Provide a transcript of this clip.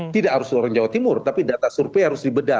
tidak harus orang jawa timur tapi data survei harus dibeda